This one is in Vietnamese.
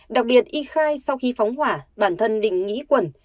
đặc biệt y khai sau khi phóng hỏa bản thân định nghĩ quẩn